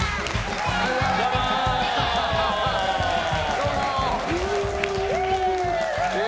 どうも！